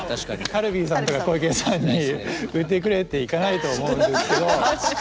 カルビーさんとか湖池屋さんに売ってくれって行かないと思うんですけど。